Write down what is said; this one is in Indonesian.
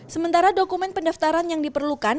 sementara dokumen pendaftaran yang diperlukan